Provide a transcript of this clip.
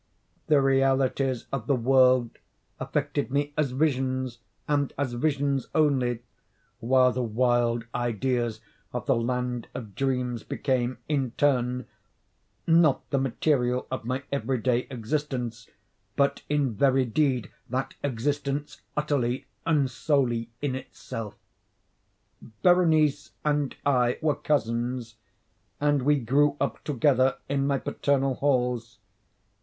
The realities of the world affected me as visions, and as visions only, while the wild ideas of the land of dreams became, in turn, not the material of my every day existence, but in very deed that existence utterly and solely in itself. Berenice and I were cousins, and we grew up together in my paternal halls.